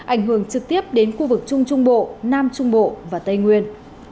ảnh hưởng trực tiếp đến khu vực trung trung bộ nam trung bộ và tây nguyên